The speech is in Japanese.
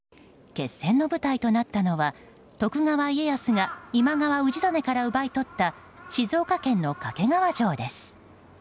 決戦の舞台となったのは徳川家康が今川氏真から奪い取った静岡県の掛川城です。